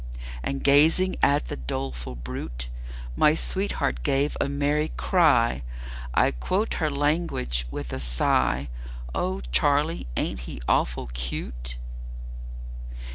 And gazing at the doleful brute My sweetheart gave a merry cry I quote her language with a sigh "O Charlie, ain't he awful cute?"